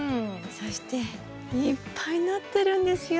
そしていっぱいなってるんですよ